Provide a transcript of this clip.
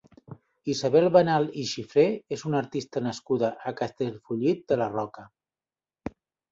Isabel Banal i Xifré és una artista nascuda a Castellfollit de la Roca.